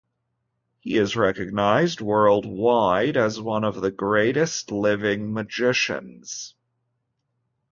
He is recognized worldwide as one of the greatest living magicians.